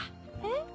えっ？